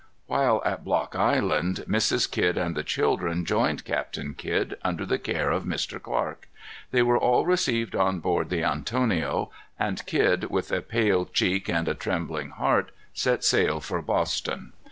While at Block Island, Mrs. Kidd and the children joined Captain Kidd, under the care of Mr. Clark. They were all received on board the Antonio, and Kidd, with a pale cheek and a trembling heart, set sail for Boston.